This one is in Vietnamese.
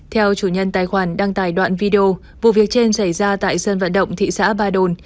theo chủ nhân tài khoản đăng tải đoạn video vụ việc trên xảy ra tại sân vận động thị xã ba đồn